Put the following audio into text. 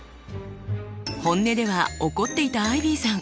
本音では怒っていたアイビーさん。